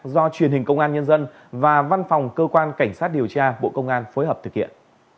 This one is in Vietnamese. do truyền hình công an nhân dân và văn phòng cơ quan cảnh sát điều tra bộ công an phối hợp thực hiện